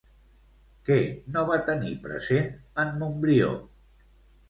Què no va tenir present en Montbrió?